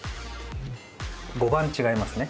５番違いますね。